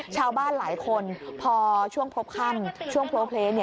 ชาวบ้านหลายคนพอช่วงพบค่ำช่วงโพลเพล